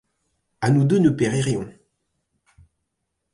À deux nous péririons!